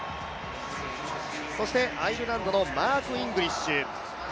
そしてアイルランドのマーク・イングリッシュ。